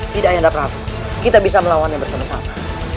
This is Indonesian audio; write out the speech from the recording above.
tidak ayahanda prabu kita bisa melawannya bersama sama